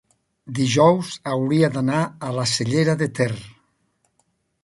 dijous hauria d'anar a la Cellera de Ter.